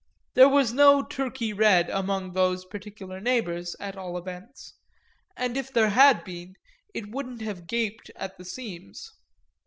There was no Turkey red among those particular neighbours at all events, and if there had been it wouldn't have gaped at the seams.